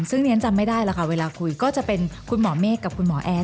ซึ่งเรียนจำไม่ได้แล้วค่ะเวลาคุยก็จะเป็นคุณหมอเมฆกับคุณหมอแอร์